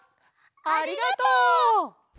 ありがとう！